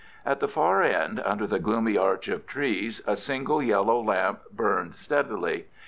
At the far end, under the gloomy arch of trees, a single yellow lamp burned steadily.